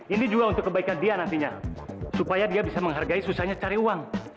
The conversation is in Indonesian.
ini juga untuk kebaikan dia nantinya supaya dia bisa menghargai susahnya cari uang